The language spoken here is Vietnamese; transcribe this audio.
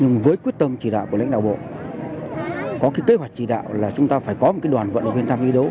nhưng với quyết tâm chỉ đạo của lãnh đạo bộ có cái kế hoạch chỉ đạo là chúng ta phải có một đoàn vận động viên tham đấu